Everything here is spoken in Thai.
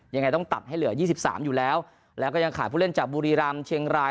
ยังไงต้องตัดให้เหลือ๒๓อยู่แล้วแล้วก็ยังขาดผู้เล่นจากบุรีรำเชียงราย